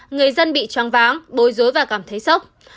người dân bị choáng váng bối rối và cảm thấy sốc